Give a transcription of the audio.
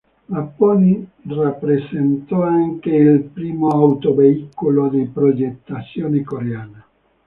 La Pony rappresentò anche il primo autoveicolo di progettazione coreana.